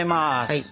はい。